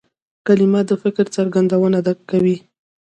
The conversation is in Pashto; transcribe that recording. کلیمه د فکر څرګندونه کوي.